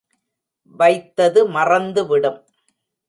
வைத்தது மறந்து விடும்!